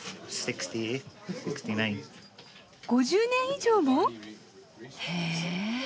５０年以上も！？へえ！